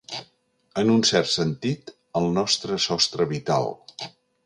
En un cert sentit, el nostre sostre vital.